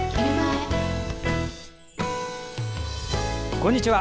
こんにちは。